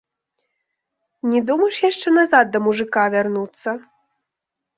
Не думаеш яшчэ назад да мужыка вярнуцца?